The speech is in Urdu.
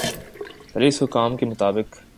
پولیس حکام کا مطابق